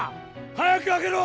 早く開けろ！